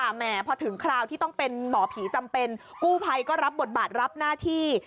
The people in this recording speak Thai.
อ้อฮะแมระเพราะตึงเวลาที่ต้องเป็นหมอผีจำเป็นกู้ไพก็รับบทบาทรับหน้าที่